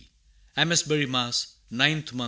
D. AMESBURY, MASS., 9th mo.